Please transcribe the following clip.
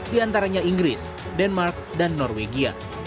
diantaranya inggris denmark dan norwegia